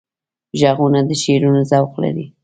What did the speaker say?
غوږونه د شعرونو ذوق لري